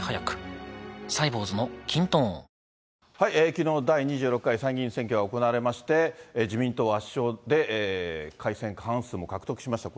きのう第２６回参議院選挙が行われまして、自民党圧勝で、改選過半数も獲得しました。